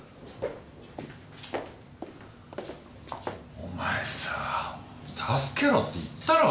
お前さ助けろって言ったろ。